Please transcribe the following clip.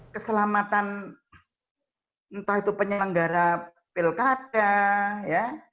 keselamatan entah itu penyelenggara pilkada ya